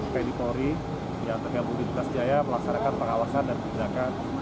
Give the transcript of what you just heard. kedipori yang tergabung di ketat jaya melaksanakan pengawasan dan pindahkan